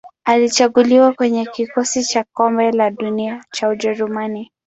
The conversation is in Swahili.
Alichaguliwa kwenye kikosi cha Kombe la Dunia cha Ujerumani.